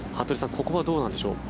ここはどうなんでしょう。